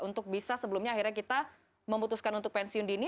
untuk bisa sebelumnya akhirnya kita memutuskan untuk pensiun dini